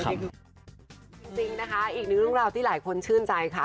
จริงนะคะอีกหนึ่งเรื่องราวที่หลายคนชื่นใจค่ะ